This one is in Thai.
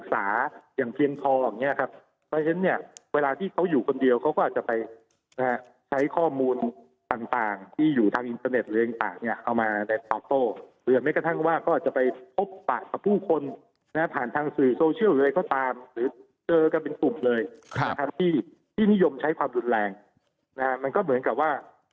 ในหลักเนื้อเขาก็ต้องไปถือออาจจะ